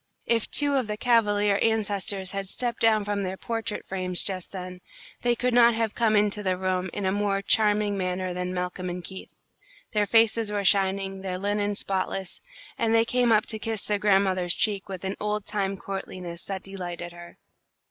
If two of the cavalier ancestors had stepped down from their portrait frames just then, they could not have come into the room in a more charming manner than Malcolm and Keith. Their faces were shining, their linen spotless, and they came up to kiss their grandmother's cheek with an old time courtliness that delighted her.